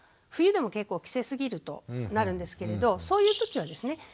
冬でも結構着せすぎるとなるんですけれどそういう時はですね